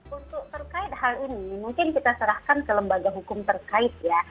untuk terkait hal ini mungkin kita serahkan ke lembaga hukum terkait ya